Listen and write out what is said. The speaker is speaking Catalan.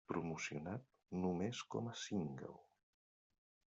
Promocionat només com a single.